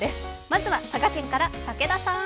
まずは佐賀県から武田さん。